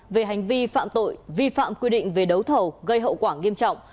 về hành vi phạm tội vi phạm quy định về đấu thầu gây hậu quả nghiêm trọng